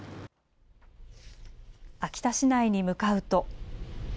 秋田市内に向かうと。